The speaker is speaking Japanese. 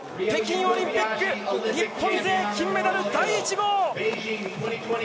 北京オリンピック日本勢金メダル第１号！